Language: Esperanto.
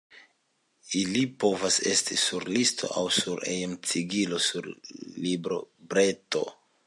Ili povas esti sur lito aŭ sur hejtigilo, sur librobreto.